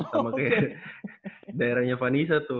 sama kayak daerahnya vanessa tuh